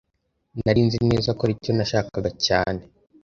Nari nzi neza ko aricyo nashakaga cyane